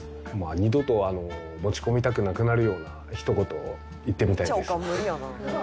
二度と持ち込みたくなくなるようなひと言を言ってみたいです。